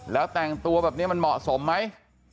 แล้วแต่งตัวแบบนี้มันเหมาะสมไหม